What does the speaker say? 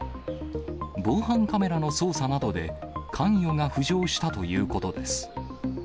防犯カメラの捜査などで関与が浮上したということです。